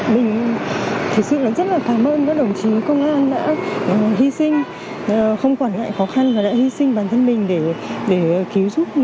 mình thực sự là rất là cảm ơn các đồng chí công an đã hy sinh không quản ngại khó khăn và đã hy sinh bản thân mình để cứu giúp